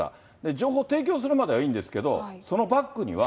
情報を提供するまではいいんですけど、そのバックには。